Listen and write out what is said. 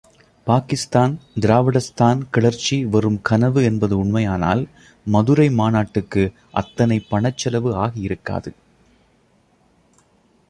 பாகிஸ்தான், திராவிடஸ்தான் கிளர்ச்சி வெறும் கனவு என்பது உண்மையானால், மதுரை மாநாட்டுக்கு அத்தனை பணச்செலவு ஆகியிருக்காது!